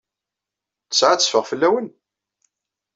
Ttesɛa ad teffeɣ fell-awen?